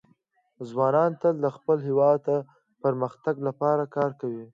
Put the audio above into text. ځوانان تل د خپل هېواد د پرمختګ لپاره کار کوي.